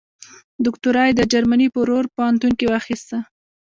دوکتورا یې د جرمني په رور پوهنتون کې واخیسته.